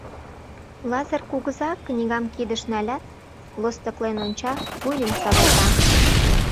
Лазыр кугыза книгам кидыш налят, лостыклен онча, вуйым савалта.